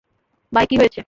ভাই, কি হয়েছে?